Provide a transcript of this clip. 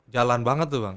jalan banget tuh bang